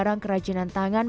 barang kerajinan tangan